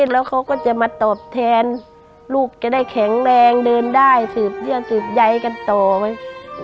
แล้วเขาก็จะมาตอบแทนลูกจะได้แข็งแรงเดินได้สืบเยื่อนสืบใยกันต่อไป